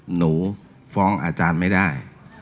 หนูฟ้องอาจารย์ไม่ได้